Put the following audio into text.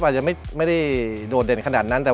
อาจจะไม่ได้โดดเด่นขนาดนั้น